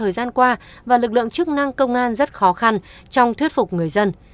thời gian qua và lực lượng chức năng công an rất khó khăn trong thuyết phục người dân